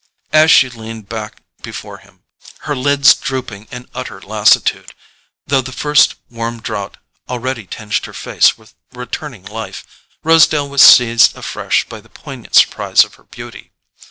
As she leaned back before him, her lids drooping in utter lassitude, though the first warm draught already tinged her face with returning life, Rosedale was seized afresh by the poignant surprise of her beauty.